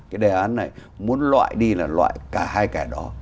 cái đề án này muốn loại đi là loại cả hai kẻ đó